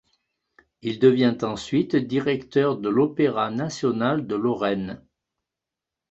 Il devient ensuite directeur de l'Opéra national de Lorraine.